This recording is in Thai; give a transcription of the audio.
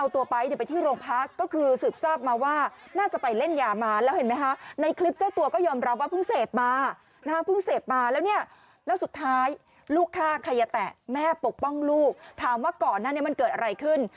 ตัวก็ยอมรับว่าเพิ่งเศษมานะฮะเพิ่งเศษมาแล้วเนี่ยแล้วสุดท้ายลูกฆ่าขยะแตะแม่ปกป้องลูกถามว่าก่อนันมันเกิดอะไรขึ้น